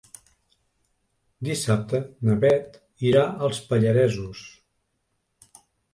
Dissabte na Beth irà als Pallaresos.